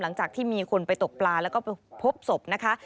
หลังจากที่มีคนไปตกปลาแล้วก็ไปพบศพนะคะ